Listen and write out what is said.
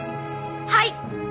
はい！